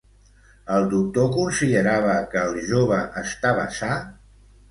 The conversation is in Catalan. El doctor considerava que el jove estava sa?